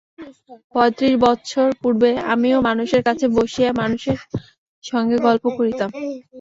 পঁয়ত্রিশ বৎসর পূর্বে আমিও মানুষের কাছে বসিয়া মানুষের সঙ্গে গল্প করিতাম।